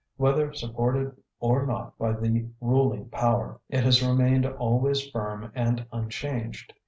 Whether supported or not by the ruling power, it has remained always firm and unchanged.